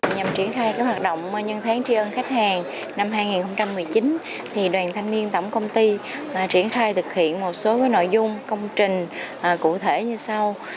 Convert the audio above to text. nhằm triển khai hoạt động nhân tháng tri ân khách hàng năm hai nghìn một mươi chín đoàn thanh niên tổng công ty triển khai thực hiện một số nội dung công trình cụ thể như sau